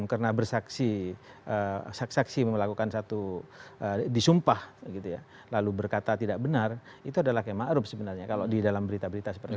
karena bersaksi saksi melakukan satu disumpah lalu berkata tidak benar itu adalah yang ma'ruf sebenarnya kalau di dalam berita berita seperti itu